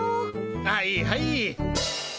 はいはい。